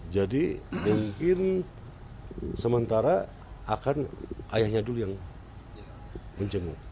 jadi mungkin sementara akan ayahnya dulu yang menjemput